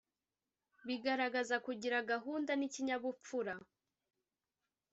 bigaragaza kugira gahunda n’ikinyabupfura